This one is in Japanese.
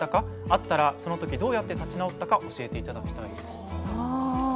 あったら、その時どうやって立ち直ったか教えていただきたいです。